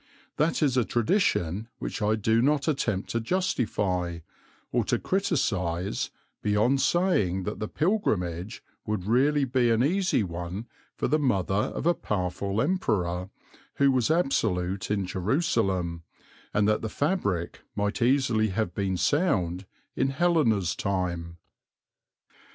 That is a tradition which I do not attempt to justify, or to criticize beyond saying that the pilgrimage would really be an easy one for the mother of a powerful Emperor who was absolute in Jerusalem, and that the fabric might easily have been sound in Helena's time.